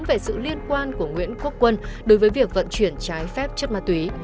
về sự liên quan của nguyễn quốc quân đối với việc vận chuyển trái phép chất ma túy